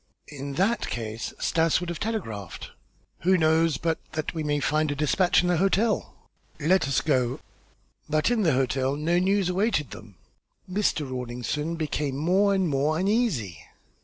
"In that case Stas would have telegraphed." "Who knows but that we may find a despatch in the hotel?" "Let us go." But in the hotel no news awaited them. Mr. Rawlinson became more and more uneasy.